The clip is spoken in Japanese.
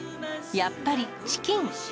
やっぱり、チキン。